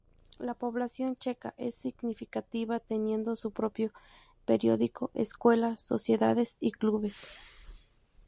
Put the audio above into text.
La población checa es significativa, teniendo su propio periódico, escuelas, sociedades y clubes.